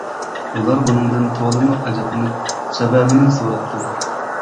ئۇلار بۇنىڭدىن تولىمۇ ئەجەبلىنىپ، سەۋەبىنى سوراپتۇ.